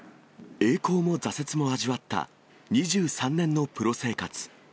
栄光も挫折も味わった２３年のプロ生活。